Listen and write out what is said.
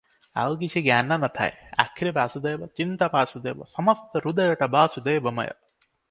ଆଉ କିଛି ଜ୍ଞାନ ନଥାଏ – ଆଖିରେ ବାସୁଦେବ, ଚିନ୍ତା ବାସୁଦେବ, ସମସ୍ତ ହୃଦୟଟା ବାସୁଦେବମୟ ।